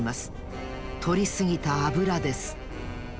とりすぎたアブラです